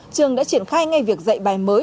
trường đã triển khai ngay việc dạy bài mới